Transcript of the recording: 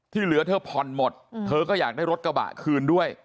เหลือเธอผ่อนหมดเธอก็อยากได้รถกระบะคืนด้วย